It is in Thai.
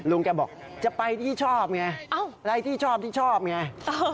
ลุงแกบอกจะไปที่ชอบไงอ้าวอะไรที่ชอบที่ชอบไงอ้าว